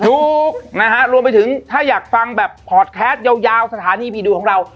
ถูกนะฮะรวมไปถึงถ้าอยากฟังแบบพอร์ตแคสยาวสถานีผีดุของเรา